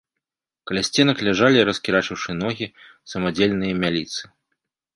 Каля сценак ляжалі, раскірачыўшы ногі, самадзельныя мяліцы.